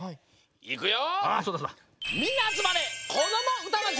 いくよ！